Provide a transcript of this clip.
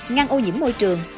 ngăn ô nhiễm môi trường